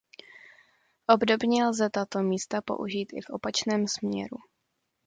Obdobně lze tato místa použít i v opačném směru.